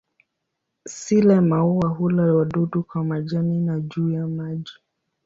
Sile-maua hula wadudu kwa majani na juu ya maji.